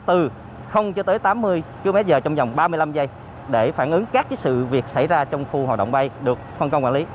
từ tám mươi kmh trong vòng ba mươi năm giây để phản ứng các sự việc xảy ra trong khu hoạt động bay được phân công quản lý